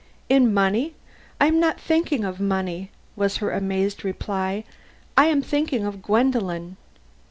"In money? I am not thinking of money," was her amazed reply; "I am thinking of Gwendolen."